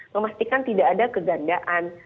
memastikan tidak ada kegandaan